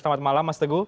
selamat malam mas teguh